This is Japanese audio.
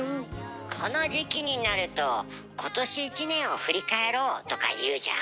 この時期になると「今年１年を振り返ろう」とか言うじゃん？